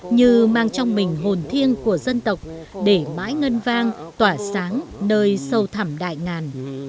như mang trong mình hồn thiêng của dân tộc để mãi ngân vang tỏa sáng nơi sâu thẳm đại ngàn